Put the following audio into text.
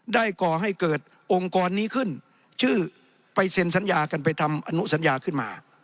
ก่อให้เกิดองค์กรนี้ขึ้นชื่อไปเซ็นสัญญากันไปทำอนุสัญญาขึ้นมา